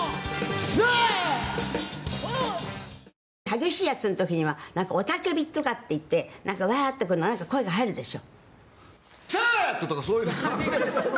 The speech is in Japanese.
激しいやつの時にはなんか雄たけびとかっていってわーって声が入るでしょ。